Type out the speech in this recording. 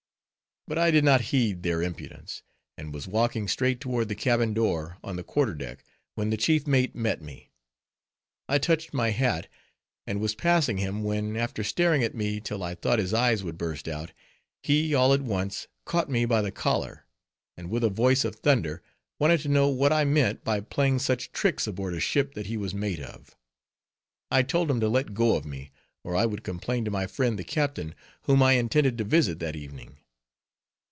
But I did not heed their impudence, and was walking straight toward the cabin door on the quarter deck, when the chief mate met me. I touched my hat, and was passing him, when, after staring at me till I thought his eyes would burst out, he all at once caught me by the collar, and with a voice of thunder, wanted to know what I meant by playing such tricks aboard a ship that he was mate of? I told him to let go of me, or I would complain to my friend the captain, whom I intended to visit that evening.